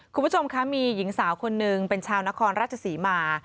คุณผู้ชมคะมีหญิงสาวคนหนึ่งเป็นชาวนครราชศรีมา